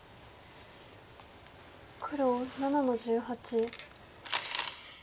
黒７の十八。